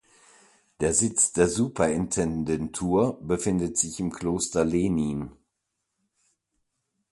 Der Sitz der Superintendentur befindet sich in Kloster Lehnin.